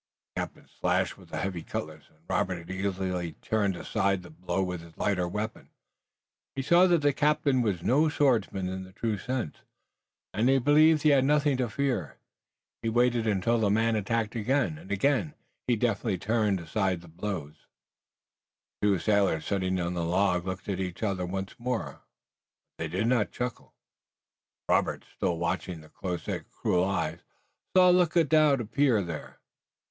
The captain slashed with the heavy cutlass, and Robert easily turned aside the blow with his lighter weapon. He saw then that the captain was no swordsman in the true sense, and he believed he had nothing to fear. He waited until the man attacked again, and again he deftly turned aside the blow. The two sailors sitting on the log looked at each other once more, but they did not chuckle. Robert, still watching the close set cruel eyes, saw a look of doubt appear there.